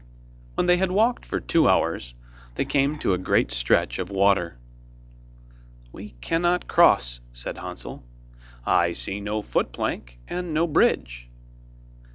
When they had walked for two hours, they came to a great stretch of water. 'We cannot cross,' said Hansel, 'I see no foot plank, and no bridge.